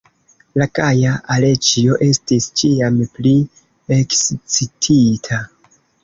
La gaja Aleĉjo estis ĉiam pli ekscitita.